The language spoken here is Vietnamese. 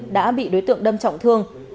đã bị đối tượng đâm trọng thương